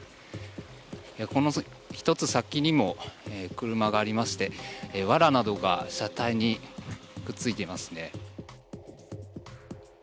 この１つ先にも車がありましてわらなどが車体にくっついていますね。